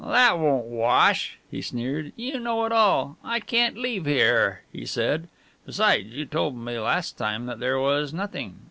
"That won't wash," he sneered "you know it all. I can't leave here," he said; "besides, you told me last time that there was nothing.